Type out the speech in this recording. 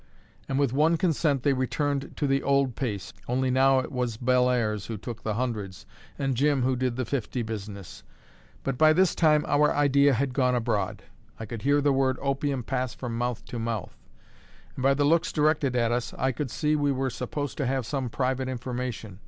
And with one consent they returned to the old pace, only now it was Bellairs who took the hundreds, and Jim who did the fifty business. But by this time our idea had gone abroad. I could hear the word "opium" pass from mouth to mouth; and by the looks directed at us, I could see we were supposed to have some private information.